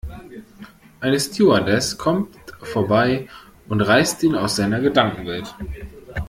Eine Stewardess kommt vorbei und reißt ihn aus seiner Gedankenwelt.